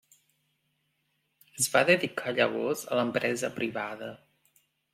Es va dedicar llavors a l'empresa privada.